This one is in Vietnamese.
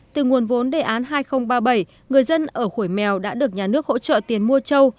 từ nguồn vốn đề án hai nghìn ba mươi bảy người dân ở khui mèo đã được nhà nước hỗ trợ tiền mua trâu